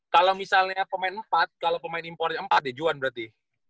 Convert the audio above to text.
kalo misalnya pemain empat kalo pemain impornya empat ya juan berarti